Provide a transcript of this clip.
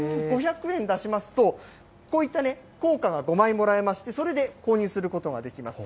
５００円出しますと、こういった硬貨が５枚もらえまして、それで購入することができます。